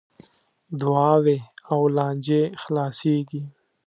دعاوې او لانجې خلاصیږي .